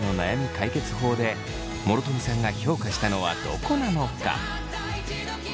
解決法で諸富さんが評価したのはどこなのか？